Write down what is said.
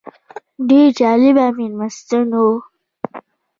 ډېر جالب مېلمستون و.